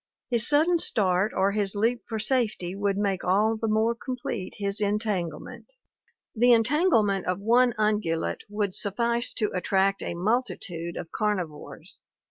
His sudden start or his leap for safety would make all the more complete his entangle ment. ...• "The entanglement of one ungulate would suffice to attract a multitude of carnivores.